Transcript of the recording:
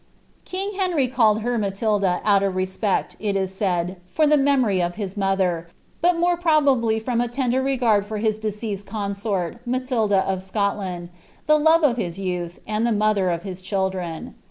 King llmry called her Matilda, out of respect, it is said, for the memory of h» mother, but more probably I'rom a lender regard for bis deceased con sort. Matilda of Scotland, the love of his youth, and the mother of bit children.